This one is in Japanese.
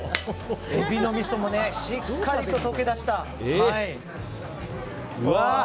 エビのみそもしっかりと溶け出した。